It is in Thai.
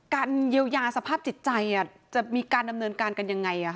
เยียวยาสภาพจิตใจจะมีการดำเนินการกันยังไง